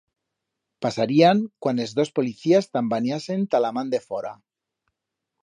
Pasarían cuan els dos policías tambaniasen ta la man de fora.